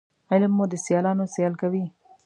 علم مو د سیالانو سیال کوي